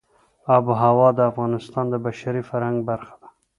آب وهوا د افغانستان د بشري فرهنګ برخه ده.